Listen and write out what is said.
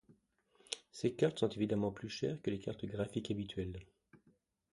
Ces cartes sont évidemment plus chères que les cartes graphiques habituelles.